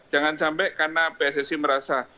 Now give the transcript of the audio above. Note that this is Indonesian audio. jangan sampai karena pssi merasa